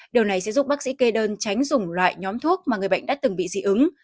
điều này sẽ giúp bác sĩ kê đơn tránh dùng loại nhóm thuốc mà người bệnh đã từng bị dị ứng